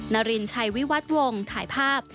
นารินชัยวิวัตวงถ่ายภาพ